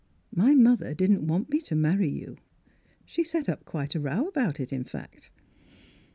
My mother didn't want me to marry you. She set up quite a row about it in fact."